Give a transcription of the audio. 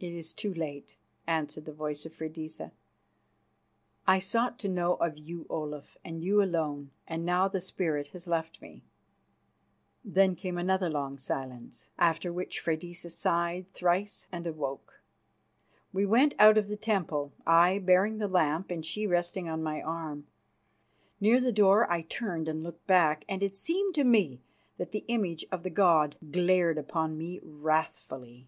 "It is too late," answered the voice of Freydisa. "I sought to know of you, Olaf, and you alone, and now the spirit has left me." Then came another long silence, after which Freydisa sighed thrice and awoke. We went out of the temple, I bearing the lamp and she resting on my arm. Near the door I turned and looked back, and it seemed to me that the image of the god glared upon me wrathfully.